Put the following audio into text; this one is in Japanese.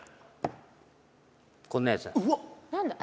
「こんなやつなの」